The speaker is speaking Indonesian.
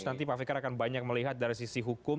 nanti pak fikar akan banyak melihat dari sisi hukum